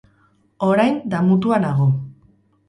Orain, damutua nago.